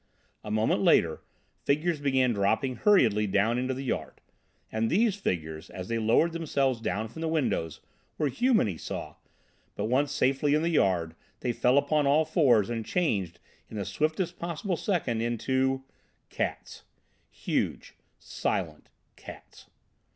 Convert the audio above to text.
A moment later figures began dropping hurriedly down into the yard. And these figures, as they lowered themselves down from the windows, were human, he saw; but once safely in the yard they fell upon all fours and changed in the swiftest possible second into—cats—huge, silent cats.